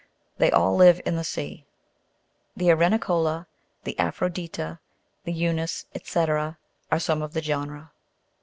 They all live in the sea. The ARENICOLA, the APHRO'DITA, the EU'NICE, &c., are some of the genera.